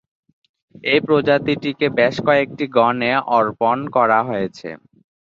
এই প্রজাতিটিকে বেশকয়েকটি গণে অর্পণ করা হয়েছে।